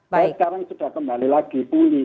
saya sekarang sudah kembali lagi pulih